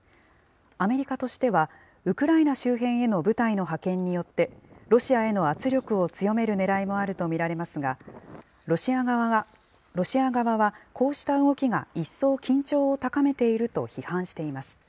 アメリカとしては、ウクライナ周辺への部隊の派遣によって、ロシアへの圧力を強めるねらいもあると見られますが、ロシア側はこうした動きが一層緊張を高めていると批判しています。